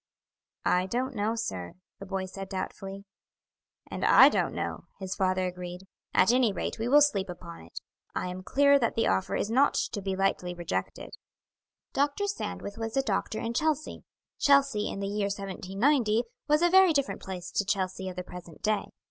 "I don't know, sir," the boy said doubtfully. "And I don't know," his father agreed. "At anyrate we will sleep upon it. I am clear that the offer is not to be lightly rejected." Dr. Sandwith was a doctor in Chelsea. Chelsea in the year 1790 was a very different place to Chelsea of the present day.